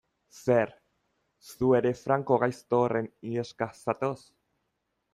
Zer, zu ere Franco gaizto horren iheska zatoz?